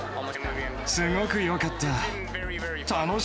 すごくよかった。